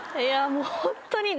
もうホントに。